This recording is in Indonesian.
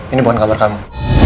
ini bukan kamar kamu